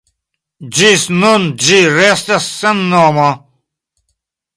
Ĝis nun, ĝi restas sen nomo.